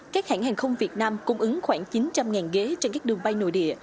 các hãng hàng không việt nam cung ứng khoảng chín trăm linh ghế trên các đường bay nội địa